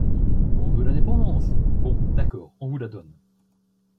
On veut l’indépendance! Bon, d’accord, on vous la donne.